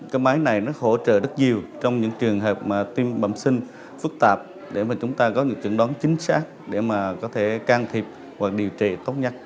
cái máy này nó hỗ trợ rất nhiều trong những trường hợp mà tiêm bẩm sinh phức tạp để mà chúng ta có những chẩn đoán chính xác để mà có thể can thiệp hoặc điều trị tốt nhất